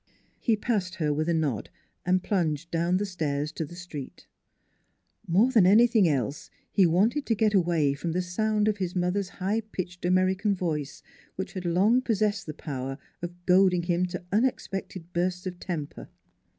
He passed her with a nod and plunged down the stairs to the street. More than anything else he wanted to get away from the sound of his mother's high pitched American voice, which had long pos NEIGHBORS 215 sessed the power of goading him to unexpected bursts of temper.